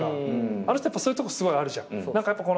あの人そういうとこすごいあるじゃん。